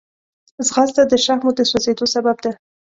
ځغاسته د شحمو د سوځېدو سبب ده